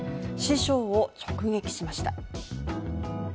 師匠を直撃しました。